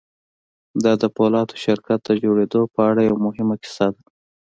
دا د پولادو شرکت د جوړېدو په اړه یوه مهمه کیسه ده